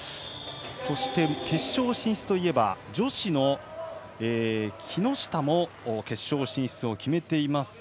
そして決勝進出といえば女子の木下も決勝進出を決めています。